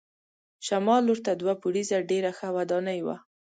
شمال لور ته دوه پوړیزه ډېره ښه ودانۍ وه.